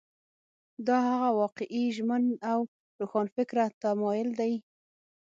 دا هغه واقعي ژمن او روښانفکره تمایل دی.